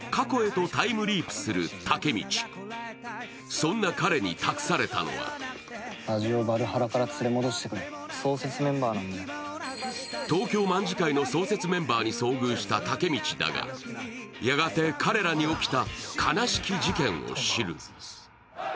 そんな彼に託されたのは東京卍會の創設メンバーに遭遇したタケミチだがやがて彼らに起きた悲しき事件を知る。